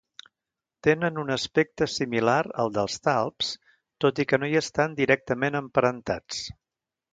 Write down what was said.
Tenen un aspecte similar al dels talps, tot i que no hi estan directament emparentats.